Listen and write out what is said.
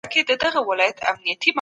ولسي جرګه د خلګو ږغ حکومت ته رسوي.